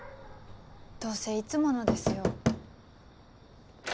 どうせいつものですよ。